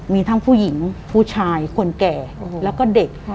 มีทั้งผู้หญิงผู้ชายคนแก่แล้วก็เด็ก